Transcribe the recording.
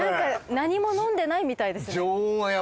何も飲んでないみたい。